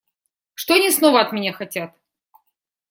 Что они снова от меня хотят?